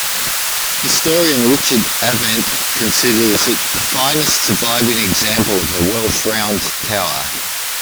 Historian Richard Avent considers it "the finest surviving example of a Welsh round tower".